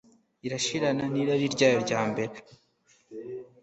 irashirana n irari ryayo ryambere